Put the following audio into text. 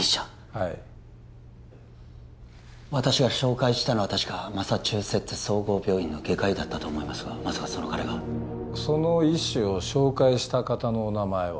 はい私が紹介したのはたしかマサチューセッツ総合病院の外科医だったと思いますがまさかその彼がその医師を紹介した方のお名前は？